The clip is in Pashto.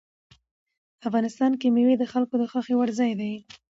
افغانستان کې مېوې د خلکو د خوښې وړ ځای دی.